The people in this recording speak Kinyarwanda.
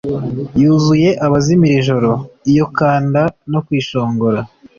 Yuzuye abazimu iri joro iyo kanda no kwishongora